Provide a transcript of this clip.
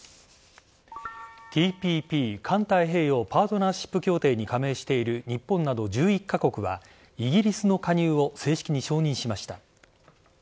ＴＰＰ＝環太平洋パートナーシップ協定に加盟している日本など１１カ国はイギリスの加入を正式に承認しました。